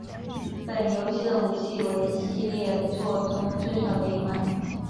本游戏的武器为系列作中最少的一款。